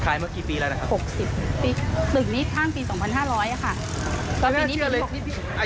ขายเมื่อกี่ปีแล้วนะครับ๖๐ปี